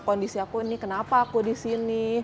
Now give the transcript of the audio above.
kondisi aku ini kenapa aku disini